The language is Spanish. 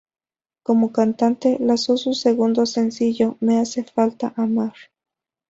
Como cantante, lanzó su segundo sencillo "Me hace falta amar".